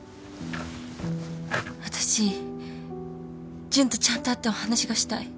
私ジュンとちゃんと会ってお話がしたい。